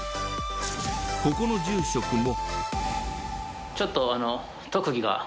ここの住職も。